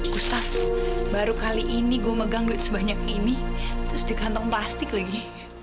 kusta baru kali ini gue megang duit sebanyak ini terus di kantong plastik lagi